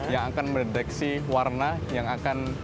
yang akan meredeksi warna pada gelap